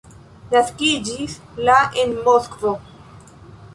Naskiĝis la en Moskvo.